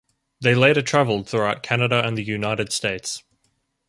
They later traveled throughout Canada and the United States.